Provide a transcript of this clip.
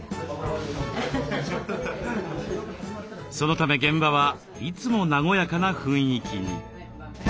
そのため現場はいつも和やかな雰囲気に。